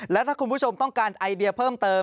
และถ้าคุณผู้ชมต้องการไอเดียเพิ่มเติม